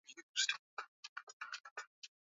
mmoja haswa katika miji ya mkoa Wanasaidiana sana kwa